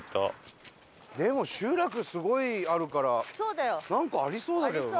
でも集落すごいあるからなんかありそうだけどな。